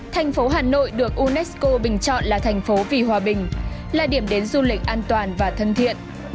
thành phố hà nội được unesco bình chọn là thành phố vì hòa bình là điểm đến du lịch an toàn và thân thiện